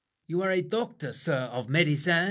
You are a doctor, sir, of medicine?